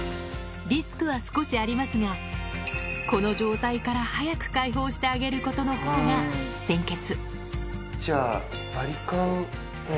リスクは少しありますがこの状態から早く解放してあげることのほうが先決